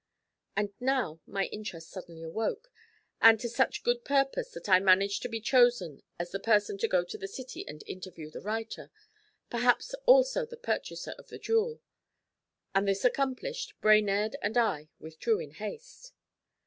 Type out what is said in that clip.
And now my interest suddenly awoke, and to such good purpose that I managed to be chosen as the person to go to the city and interview the writer, perhaps also the purchaser of the jewel. And this accomplished, Brainerd and I withdrew in haste.